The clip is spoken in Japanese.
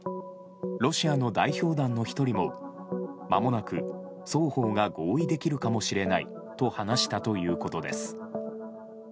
ロシアの代表団の１人もまもなく双方が合意できるかもしれないと話したということです。